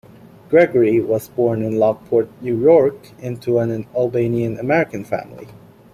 Gregory was born in Lockport, New York into an Albanian American family.